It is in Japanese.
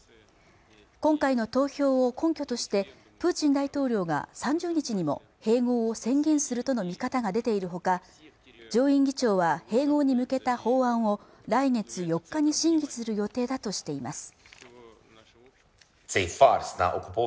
今回の投票を根拠としてプーチン大統領が３０日にも併合を宣言するとの見方が出ているほか上院議長は併合に向けた法案を来月４日に審議する予定だとしています